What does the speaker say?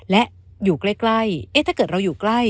และอยู่ใกล้ใกล้เอ๊ะถ้าเกิดเราอยู่ใกล้